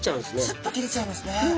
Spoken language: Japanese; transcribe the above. スッと切れちゃいますね。